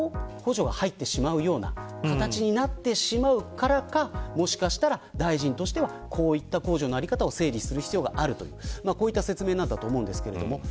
ある意味両方に補助が入ってしまう形になるからかもしかしたら大臣としてはこういった控除の在り方を整理する可能性があるとこういう説明だと思います。